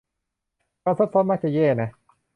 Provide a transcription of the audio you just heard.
ความซับซ้อนมักจะแย่นะ